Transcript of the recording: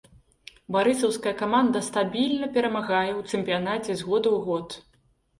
Барысаўская каманда стабільна перамагае ў чэмпіянаце з года ў год.